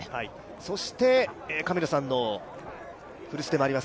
そして神野さんの古巣でもあります